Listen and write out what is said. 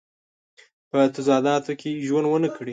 په تضاداتو کې ژوند ونه کړي.